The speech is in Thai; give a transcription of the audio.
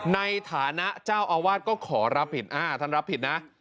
ในฐานะเจ้าอาวาสก็ขอรับผิดท่านรับผิดนะ